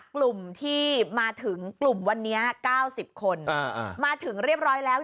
กลุ่มที่มาถึงกลุ่มวันนี้๙๐คนมาถึงเรียบร้อยแล้ว